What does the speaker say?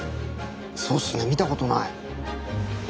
そうっすね見たことない。